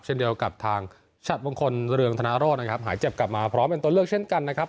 เช่นเดียวกับทางฉัดมงคลเรืองธนโรธนะครับหายเจ็บกลับมาพร้อมเป็นตัวเลือกเช่นกันนะครับ